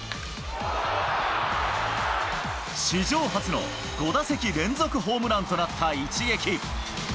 史上初の５打席連続ホームランとなった一撃。